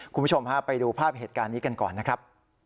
คุณผู้ชมฮะไปดูภาพเหตุการณ์นี้กันก่อนนะครับ